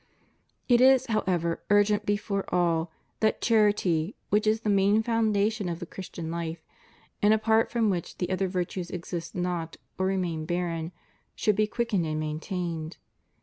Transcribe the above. It is, however, urgent before all, that charity, which is the main foundation of the Christian Hfe, and apart from which the other virtues exist not or remain barren, should be quickened and maintained.